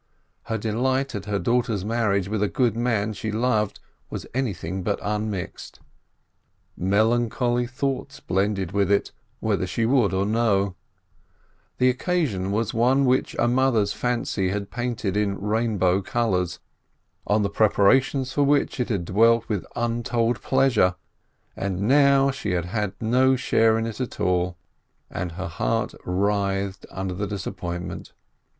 Her delight at her daughter's marriage with a good man she loved was anything but unmixed. Melancholy thoughts blended with it, whether she would or not. The occasion was one which a mother's fancy had painted in rainbow colors, on the preparations for which it had dwelt with untold 20 302 BERSCHADSKI pleasure — and now she had had no share in it at all, and her heart writhed under the disappointment.